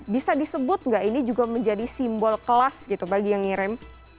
bisa disebut nggak ini juga menjadi simbol kelas gitu bagi yang ngirim